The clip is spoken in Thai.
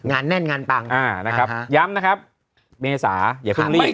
งานแน่นงานปังอย้ำนะครับเมษาอย่ากลุ้มรีบ